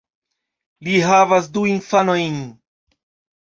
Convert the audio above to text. Li havas du infanojn.